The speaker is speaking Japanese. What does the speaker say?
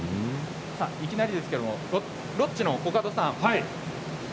いきなりですけれどロッチのコカドさん